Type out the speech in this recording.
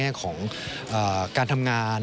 ในแง่ของการทำงาน